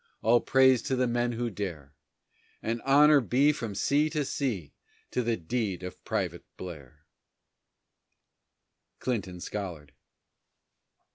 All praise to the men who dare, And honor be from sea to sea to the deed of Private Blair! CLINTON SCOLLARD.